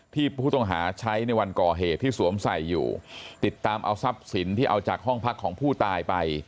ที่ผู้ต้องหาใช้ในวันก่อเหตุที่สวมใส่อยู่ติดตามเอาทรัพย์สินที่เอาจากห้องพักของผู้ตายไป